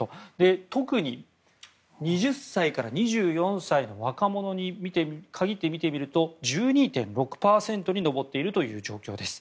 特に２０歳から２４歳の若者に限って見てみると１２．６％に上っているという状況です。